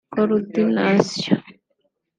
Coordination